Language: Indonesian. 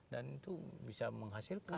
dan itu bisa menghasilkan